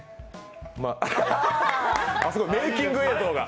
すごいメーキング映像が！